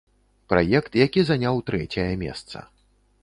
Праект, які заняў трэцяе месца.